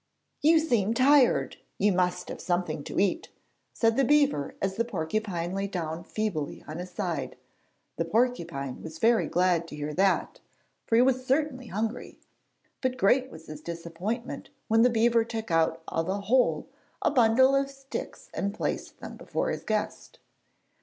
'You seem tired; you must have something to eat,' said the beaver as the porcupine lay down feebly on his side. The porcupine was very glad to hear that, for he was certainly hungry; but great was his disappointment when the beaver took out of a hole a bundle of sticks and placed them before his guest.